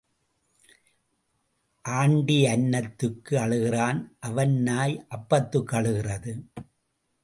Aunty அன்னத்துக்கு அழுகிறான் அவன் நாய் அப்பத்துக்கு அழுகிறது.